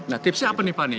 nah tipsnya apa nih pak nih